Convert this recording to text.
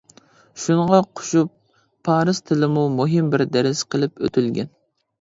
شۇنىڭغا قوشۇپ پارس تىلىمۇ مۇھىم بىر دەرس قىلىپ ئۆتۈلگەن.